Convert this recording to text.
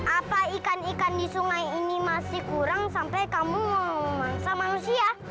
apa ikan ikan di sungai ini masih kurang sampai kamu mangsa manusia